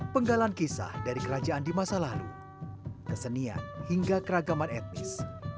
penggalan kisah dari kerajaan di masa lalu kesenian hingga keragaman etnis